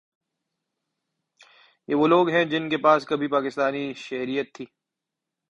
یہ وہ لوگ ہیں جن کے پاس کبھی پاکستانی شہریت تھی